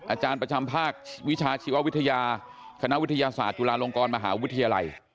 อาจารย์ประจำภาควิชาชีววิทยาคณะวิทยาศาสตร์จุฬาลงกรมหาวิทยาลัย